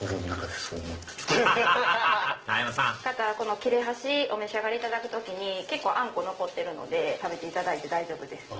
切れ端お召し上がりいただく時に結構あんこ残ってるので食べていただいて大丈夫です。